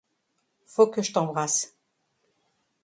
Faut que je t'embrasse.